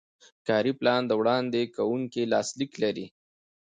کاري پلان د وړاندې کوونکي لاسلیک لري.